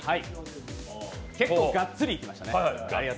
結構がっつりいきましたね。